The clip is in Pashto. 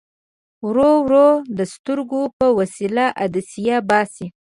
ورو ورو د سترګو په وسیله عدسیه باسي.